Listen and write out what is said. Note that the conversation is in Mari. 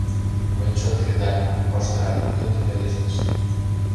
— Мый чот кредальым, — коштыра йӱк дене пелештыш.